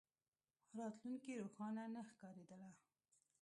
راتلونکې روښانه نه ښکارېدله.